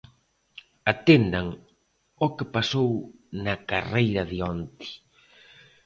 Atendan ao que pasou na carreira de onte.